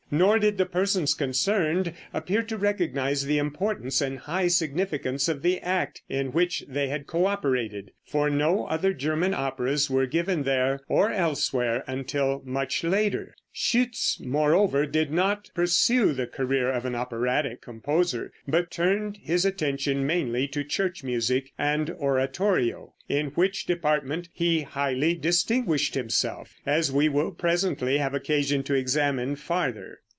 Nor did the persons concerned appear to recognize the importance and high significance of the act in which they had co operated, for no other German operas were given there or elsewhere until much later. Schütz, moreover, did not pursue the career of an operatic composer, but turned his attention mainly to church music and oratorio, in which department he highly distinguished himself, as we will presently have occasion to examine farther.